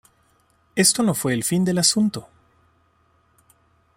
Esto no fue el fin del asunto.